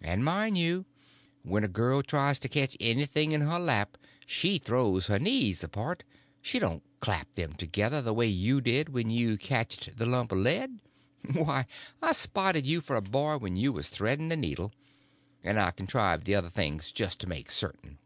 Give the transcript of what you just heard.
And, mind you, when a girl tries to catch anything in her lap she throws her knees apart; she don't clap them together, the way you did when you catched the lump of lead. Why, I spotted you for a boy when you was threading the needle; and I contrived the other things just to make certain.